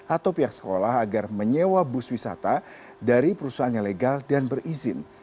atau pihak sekolah agar menyewa bus wisata dari perusahaan yang legal dan berizin